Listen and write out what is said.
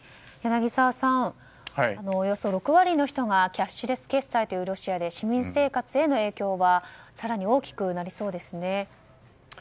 柳澤さん、およそ６割の人がキャッシュレス決済というロシアで市民生活への影響は更に大きくなりそうですね。